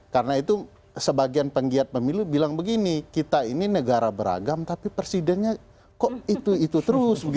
karena itu sebagian penggiat pemilu bilang begini kita ini negara beragam tapi presidennya kok itu itu terus